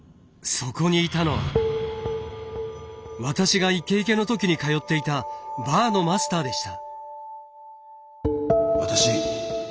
そこにいたのは私がイケイケの時に通っていたバーのマスターでした。